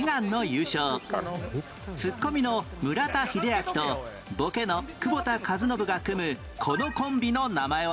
ツッコミの村田秀亮とボケの久保田かずのぶが組むこのコンビの名前は？